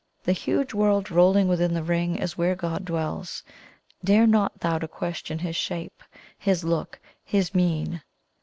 The huge world rolling within the Ring is where God dwells. Dare not thou to question His shape, His look, His mien!